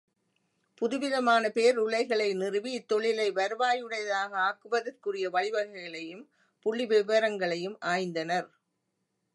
புதுவிதமான பேருலை களை நிறுவி இத்தொழிலை வருவாயுடையதாக ஆக்குவதற்குரிய வழிவகைகளையும் புள்ளிவிவரங்களையும் ஆய்ந்தனர்.